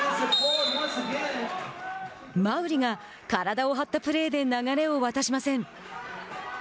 馬瓜が体を張ったプレーで流れを渡しません。